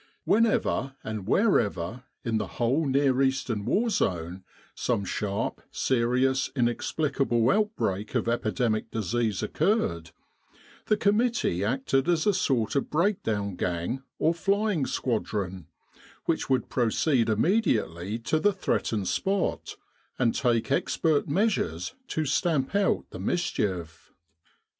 Whenever, and wherever, in the whole Near Eastern war zone, some sharp, serious, inexplicable outbreak of epidemic disease occurred, the committee acted as a sort of breakdown gang or flying squadron, which would proceed immediately to the threatened spot, and take expert measures to stamp out the mis chief.